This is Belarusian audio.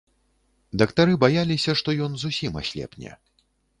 Дактары баяліся, што ён зусім аслепне.